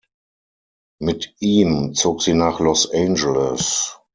Mit ihm zog sie nach Los Angeles.